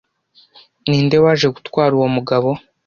Ninde waje gutwara uwo mugabo